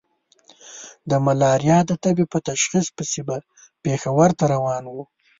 د ملاريا د تبې په تشخيص پسې به پېښور ته روان وو.